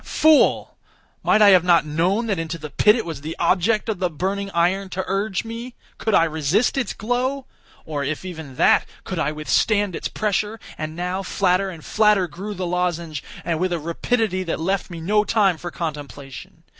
Fool! might I have not known that into the pit it was the object of the burning iron to urge me? Could I resist its glow? or, if even that, could I withstand its pressure? And now, flatter and flatter grew the lozenge, with a rapidity that left me no time for contemplation.